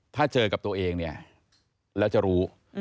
ถ้าเจอกับตัวเองเนี่ยแล้วจะรู้